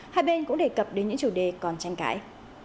hai bên cũng đề cập đến những chủ đề còn tranh cãi